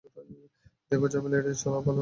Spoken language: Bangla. দেখো, ঝামেলা এড়িয়ে চলা ভালো।